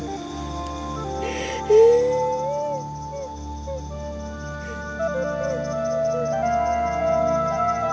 semoga bermanfaat buat kamu